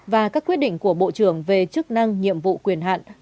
và các quyết định của bộ trưởng về chức năng nhiệm vụ quyền hạn